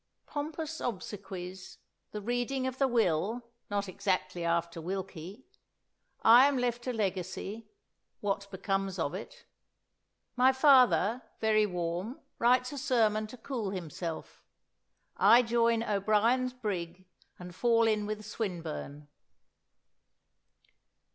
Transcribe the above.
POMPOUS OBSEQUIES THE READING OF THE WILL, NOT EXACTLY AFTER WILKIE I AM LEFT A LEGACY WHAT BECOMES OF IT MY FATHER, VERY WARM, WRITES A SERMON TO COOL HIMSELF I JOIN O'BRIEN'S BRIG, AND FALL IN WITH SWINBURNE.